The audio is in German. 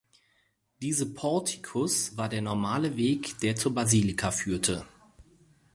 Diese Portikus war der normale Weg, der zur Basilika führte.